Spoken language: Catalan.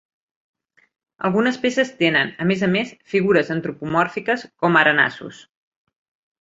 Algunes peces tenen, a més a més, figures antropomòrfiques, com ara nassos.